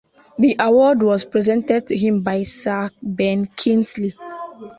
The award was presented to him by Sir Ben Kingsley.